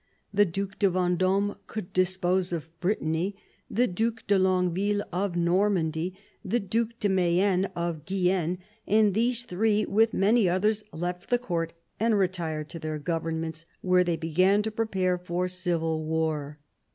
The Due de Vendome could dispose of Brittany, the Due de Longueville of Normandy, the Due de Mayenne of Guyenne; and these three, with many others, left the Court and retired to their governments, where they began to prepare for civil war.